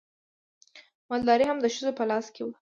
مالداري هم د ښځو په لاس کې وه.